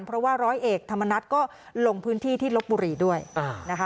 เพราะว่าร้อยเอกธรรมนัฐก็ลงพื้นที่ที่ลบบุรีด้วยนะคะ